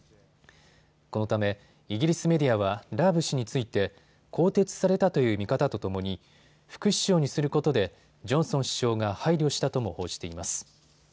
このためイギリスメディアはラーブ氏について更迭されたという見方とともに副首相にすることでジョンソン首相が配慮したとも報じています。